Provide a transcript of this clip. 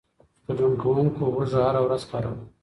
ګډون کوونکو هوږه هره ورځ کاروله.